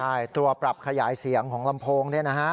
ใช่ตัวปรับขยายเสียงของลำโพงนี่นะฮะ